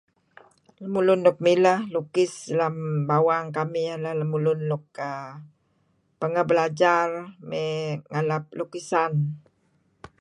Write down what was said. Lun nuk mileh lukis lem bawang kamih iyeh ineh lemulun nuk uhm pangeh belajar may ngaalap lukisan.